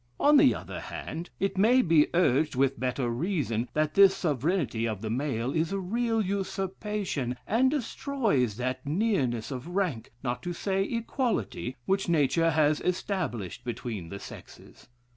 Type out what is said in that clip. On the other hand, it may be urged with better reason, that this sovereignty of the male is a real usurpation, and destroys that nearness of rank, not to say equality, which nature has established between the sexes.